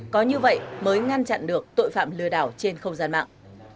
có như vậy mới ngăn chặn được tội phạm lừa đảo trên không gian mạng